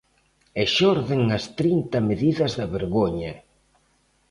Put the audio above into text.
E xorden as trinta medidas da vergoña.